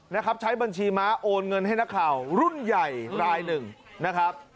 นะครับใช้บัญชีม้าโอนเงินให้นักข่าวรุ่นใหญ่รายหนึ่งนะครับ